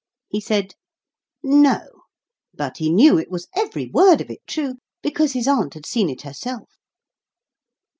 He said "No," but he knew it was every word of it true, because his aunt had seen it herself.